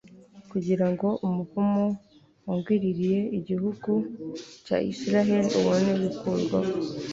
kugira ngo umuvumo wagwiririye igihugu cya Isirayeli ubone gukurwaho